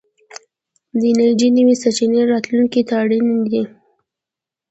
د انرژۍ نوې سرچينې راتلونکي ته اړين دي.